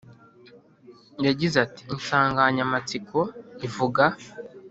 Yagize ati Insanganyamatsiko ivuga